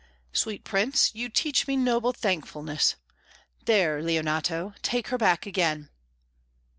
"Sweet Prince, you teach me noble thankfulness. There, Leonato, take her back again."